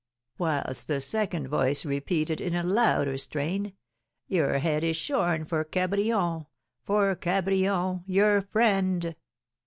Whilst the second voice repeated in a louder strain, 'Your head is shorn for Cabrion, for Cabrion, your friend!'"